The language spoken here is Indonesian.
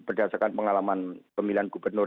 berdasarkan pengalaman pemilihan gubernur